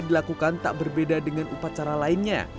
dilakukan tak berbeda dengan upacara lainnya